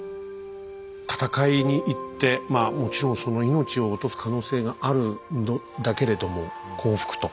戦いに行ってもちろん命を落とす可能性があるんだけれども「幸福」と。